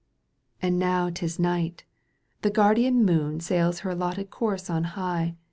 And now 'tis night, the guardian moon Sails her allotted course on high.